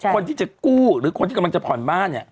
คนที่จะกู้หรือคนที่กำลังจะผ่อนบ้านเนี่ย